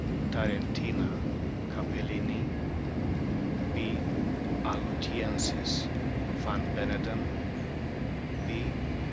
tarcntina, Capellini ; B. alutiensis, van Beneden ; B.